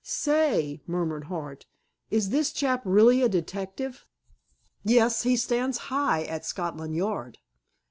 "Say," murmured Hart, "is this chap really a detective?" "Yes. He stands high at Scotland Yard."